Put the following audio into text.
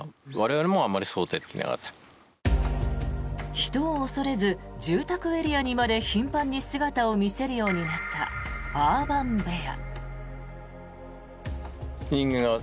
人を恐れず、住宅エリアにまで頻繁に姿を見せるようになったアーバンベア。